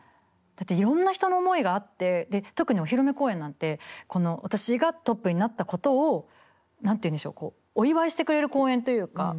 だっていろんな人の思いがあってで特にお披露目公演なんて私がトップになったことを何ていうんでしょうお祝いしてくれる公演というか。